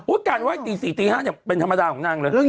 อุ๊ยการไว้ตี๔๕จะเป็นธรรมดาของนั่งเลย